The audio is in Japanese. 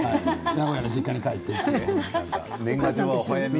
名古屋の実家に帰ってね。